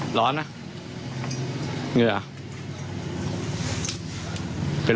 กลัวเหมือนกัน